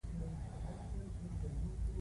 مریتوب او استثمار هم په کې پرېنه و.